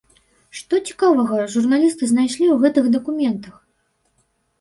Што цікавага журналісты знайшлі ў гэтых дакументах?